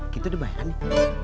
kita udah bayangin